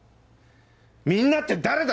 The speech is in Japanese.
「みんな」って誰だ！